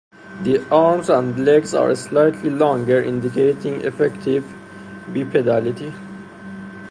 The arms and legs are slightly longer indicating effective bipedality.